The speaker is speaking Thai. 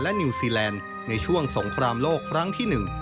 นิวซีแลนด์ในช่วงสงครามโลกครั้งที่๑